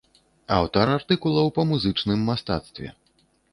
Аўтар артыкулаў па музычным мастацтве.